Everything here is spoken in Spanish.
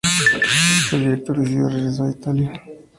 El director decidió regresar a Italia.